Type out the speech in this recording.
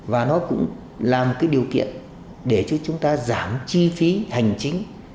và nó cũng là một cái điều kiện để cho chúng ta giảm chi phí hành chính